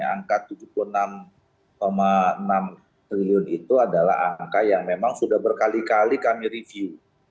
angka rp tujuh puluh enam enam triliun itu adalah angka yang memang sudah berkali kali kami review